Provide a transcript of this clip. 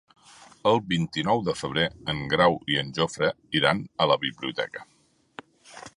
El vint-i-nou de febrer en Grau i en Jofre iran a la biblioteca.